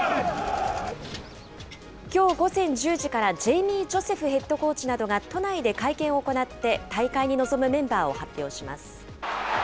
きょう午前１０時からジェイミー・ジョセフヘッドコーチなどが都内で会見を行って、大会に臨むメンバーを発表します。